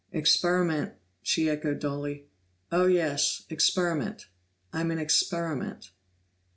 "Experiment?" she echoed dully. "Oh, yes experiment. I'm an experiment."